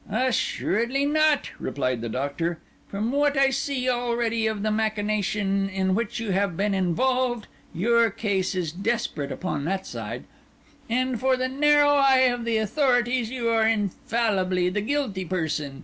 "Assuredly not," replied the Doctor. "From what I see already of the machination in which you have been involved, your case is desperate upon that side; and for the narrow eye of the authorities you are infallibly the guilty person.